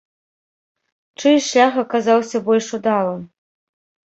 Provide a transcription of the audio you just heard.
Чый шлях аказаўся больш удалым?